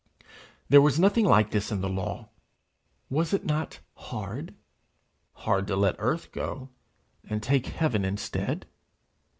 There was nothing like this in the law: was it not hard? Hard to let earth go, and take heaven instead?